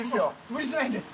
無理しないで。